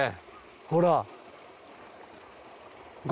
ほら。